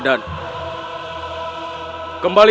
dan akan berjumpa lagi